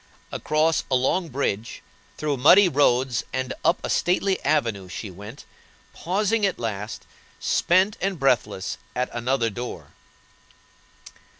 Across a long bridge, through muddy roads and up a stately avenue she went, pausing, at last, spent and breathless at another door.